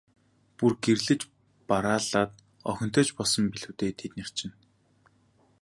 Бүр гэрлэж бараалаад охинтой ч болсон билүү дээ, тэднийх чинь.